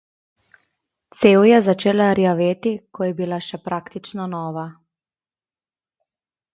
Cev je začela rjaveti, ko je bila še praktično nova.